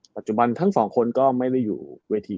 ปัจจุบันทั้งสองคนก็ไม่ได้อยู่เวที